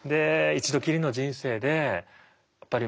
一度きりの人生でやっぱり